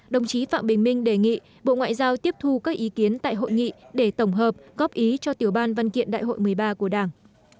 đồng chí phạm bình minh đề nghị bộ ngoại giao tiếp thu các ý kiến tại hội nghị để tổng hợp góp ý cho tiểu ban văn kiện đại hội một mươi ba của đảng